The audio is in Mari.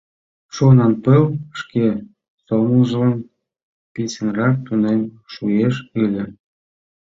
Шонанпыл шке сомылжылан писынрак тунем шуэш ыле!